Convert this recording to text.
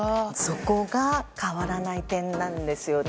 そこが変わらない点なんです。